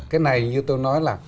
cái này như tôi nói là